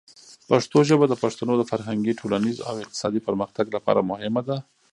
پښتو ژبه د پښتنو د فرهنګي، ټولنیز او اقتصادي پرمختګ لپاره مهمه ده.